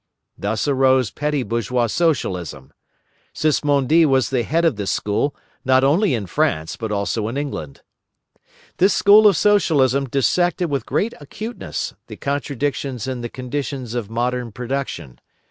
Thus arose petty bourgeois Socialism. Sismondi was the head of this school, not only in France but also in England. This school of Socialism dissected with great acuteness the contradictions in the conditions of modern production.